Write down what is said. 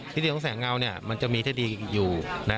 ที่ดีของแสงเงาเนี่ยมันจะมีที่ดีอยู่นะ